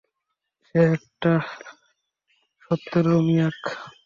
সে একটা সত্যরোমিয়াক।